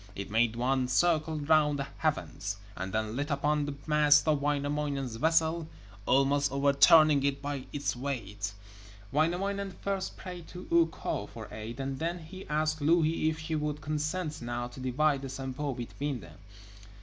It made one circle round the heavens, and then lit upon the mast of Wainamoinen's vessel, almost overturning it by its weight. Wainamoinen first prayed to Ukko for aid, and then he asked Louhi if she would consent now to divide the Sampo between them.